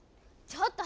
ちょっと！